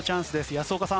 安岡さん